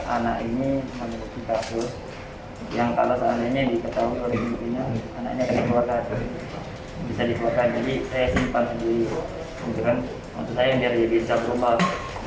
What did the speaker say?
anak ini yang kalau saat ini diketahui mungkin bisa dikeluarkan jadi saya simpan